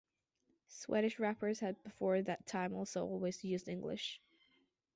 Swedish rappers had before that time almost always used English.